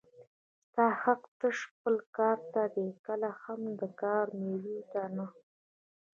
ستا حق تش خپل کار ته دی کله هم د کار مېوې ته نه